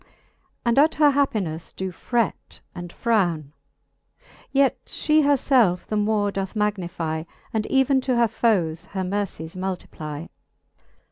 And at her happinelTe do fret and frowne : Yet fhe her felfe the more doth magnify, And even to her foes her mercies multiply.